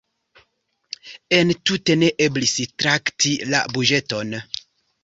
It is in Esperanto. Entute ne eblis trakti la buĝeton.